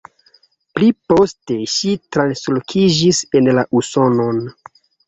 Pli poste ŝi translokiĝis en la Usonon.